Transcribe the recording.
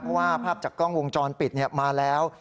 เพราะว่าภาพจากกล้องวงจรปิดมาแล้ว